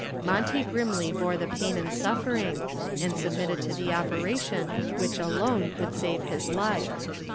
Monty grimly bore the pain and suffering and submitted to the operation which alone could save his life.